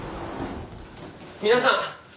皆さん！